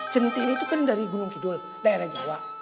centini tuh kan dari gunung kidul daerah jawa